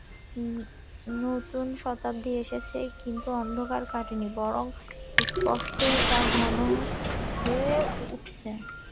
নূতন শতাব্দী এসেছে, কিন্তু অন্ধকার কাটেনি, বরং স্পষ্টই তা ঘন হয়ে উঠছে।